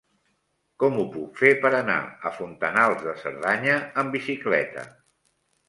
Com ho puc fer per anar a Fontanals de Cerdanya amb bicicleta?